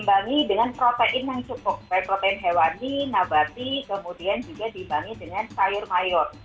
dibangi dengan protein yang cukup baik protein hewani nabati kemudian juga diimbangi dengan sayur mayur